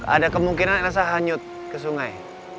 ada kemungkinan rasa hanyut ke sungai